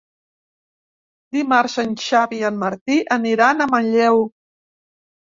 Dimarts en Xavi i en Martí aniran a Manlleu.